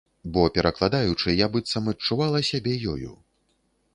Бо, перакладаючы, я быццам адчувала сябе ёю.